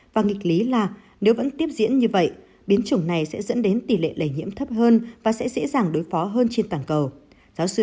và nghịch lý là nếu vẫn tiếp diễn như vậy biến chủng này sẽ dẫn đến tỷ lệ lây nhiễm thấp hơn và sẽ dễ dàng đối phó hơn trên toàn cầu